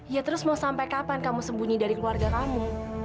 ya terus mau sampai kapan kamu sembunyi dari keluarga kamu